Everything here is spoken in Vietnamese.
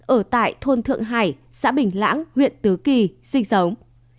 ở tại thôn thượng hải xã bình lãng huyện tứ kỳ sinh sống